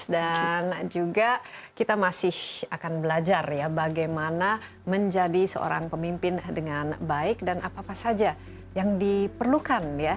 dan juga kita masih akan belajar ya bagaimana menjadi seorang pemimpin dengan baik dan apa apa saja yang diperlukan ya